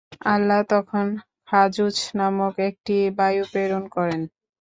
আল্লাহ্ তখন খাজুজ নামক একটি বায়ু প্রেরণ করেন।